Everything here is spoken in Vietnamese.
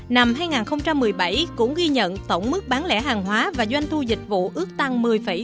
năm hai nghìn một mươi bảy cũng ghi nhận tổng mức bán lẻ hàng hóa và doanh thu dịch vụ ước tăng một mươi tám mươi chín